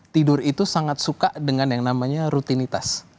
tidur itu sangat suka dengan yang namanya rutinitas